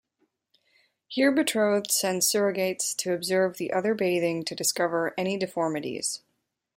Here betrothed send surrogates to observe the other bathing to discover any deformities.